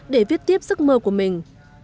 để viết tiếp sức mơ của mình